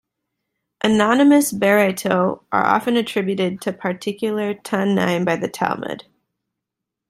Anonymous "Baraitot" are often attributed to particular "Tannaim" by the Talmud.